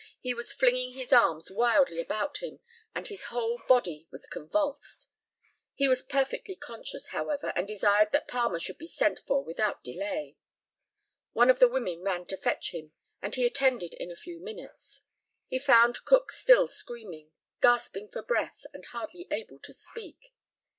He was flinging his arms wildly about him, and his whole body was convulsed. He was perfectly conscious, however, and desired that Palmer should be sent for without delay. One of the women ran to fetch him, and he attended in a few minutes. He found Cook still screaming, gasping for breath, and hardly able to speak.